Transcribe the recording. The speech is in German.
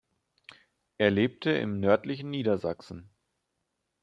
Er lebte im nördlichen Niedersachsen.